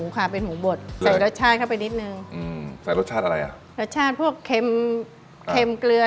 ค่ะเป็นหมูบดใส่รสชาติเข้าไปนิดนึงอืมใส่รสชาติอะไรอ่ะรสชาติพวกเค็มเค็มเกลือ